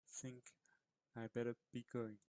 Think I'd better be going.